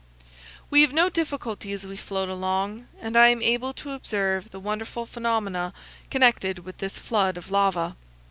We have no difficulty as we float along, and I am able to observe the wonderful phenomena connected with this flood of lava.